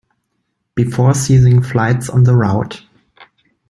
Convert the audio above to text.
before ceasing flights on the route.